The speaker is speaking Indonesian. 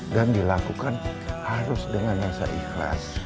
dan dilakukan harus dengan rasa ikhlas